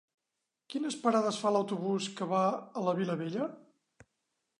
Quines parades fa l'autobús que va a la Vilavella?